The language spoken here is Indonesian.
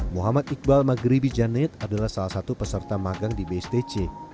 muhammad iqbal maghribi janet adalah salah satu peserta magang di bstc